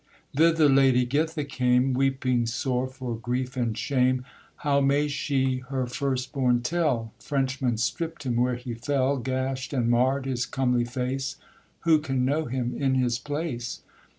Thither Lady Githa came, Weeping sore for grief and shame; How may she her first born tell? Frenchmen stript him where he fell, Gashed and marred his comely face; Who can know him in his place?